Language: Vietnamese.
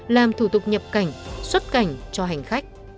làm thủ tục nhập cảnh xuất cảnh cho hành khách